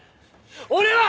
俺は！